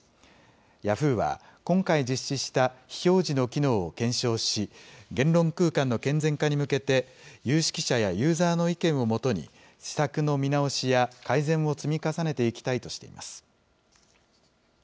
ヤフーは、今回実施した非表示の機能を検証し、言論空間の健全化に向けて、有識者やユーザーの意見を基に、施策の見直しや改善を積み重ねていきたいとしています。